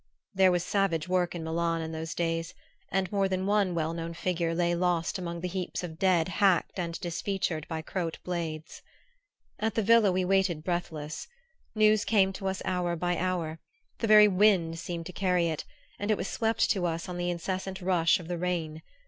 There was savage work in Milan in those days, and more than one well known figure lay lost among the heaps of dead hacked and disfeatured by Croat blades. At the villa, we waited breathless. News came to us hour by hour: the very wind seemed to carry it, and it was swept to us on the incessant rush of the rain.